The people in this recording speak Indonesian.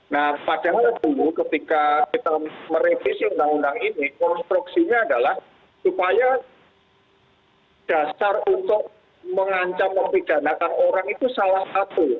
nah padahal dulu ketika kita merevisi undang undang ini konstruksinya adalah supaya dasar untuk mengancam mempidanakan orang itu salah satu